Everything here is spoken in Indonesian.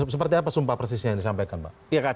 seperti apa sumpah persisnya yang disampaikan pak